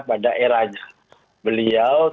tentangannya yang menentukan kejayaan era gus dur ini